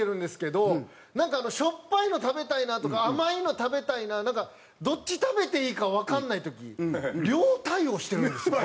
しょっぱいの食べたいなとか甘いの食べたいななんかどっち食べていいかわかんない時両対応してるんですよ